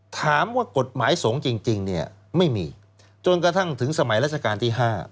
ถามว่ากฎหมายสงฆ์จริงเนี่ยไม่มีจนกระทั่งถึงสมัยราชการที่๕